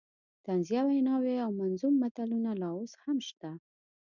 طنزیه ویناوې او منظوم متلونه لا اوس هم شته.